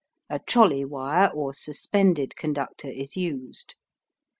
A trolley wire or suspended conductor is used.